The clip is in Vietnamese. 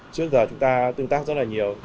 trước giờ chúng ta tương tác rất là nhiều